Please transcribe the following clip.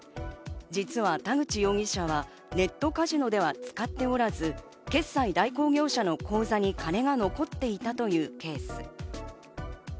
実は田口容疑者はネットカジノでは使っておらず、決済代行業者の口座に金が残っていたというケース。